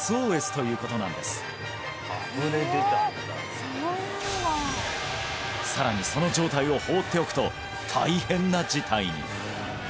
つまりさらにその状態を放っておくと大変な事態に！